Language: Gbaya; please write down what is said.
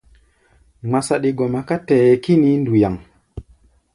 Ŋma saɗi gɔma ká tɛ-ɛ́ɛ́ kínií nduyaŋ.